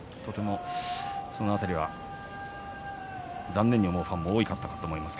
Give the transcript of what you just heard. その辺り、残念に思うファンも多かったかと思います。